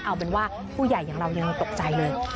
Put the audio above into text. เอาเป็นว่าผู้ใหญ่อย่างเรายังตกใจเลย